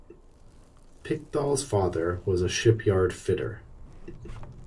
Pickthall's father was a shipyard fitter.